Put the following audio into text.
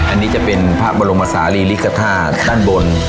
อันนี้จะเป็นพระบรมศาลีลิกธาตุด้านบน